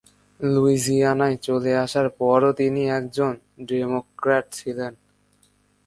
লুইজিয়ানায় চলে আসার পরও তিনি একজন ডেমোক্র্যাট ছিলেন।